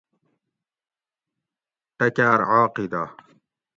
ٹکاۤر عاقدہ